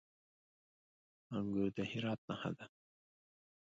انګور د هرات نښه ده.